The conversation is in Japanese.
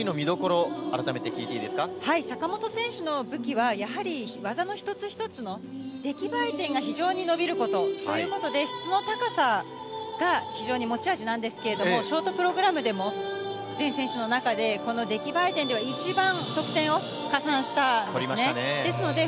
どこ坂本選手の武器は、やはり技の一つ一つの出来栄え点が非常に伸びること、ということで、質の高さが非常に持ち味なんですけれども、ショートプログラムでも全選手の中で、この出来栄え点では一番得点を加算したんですね。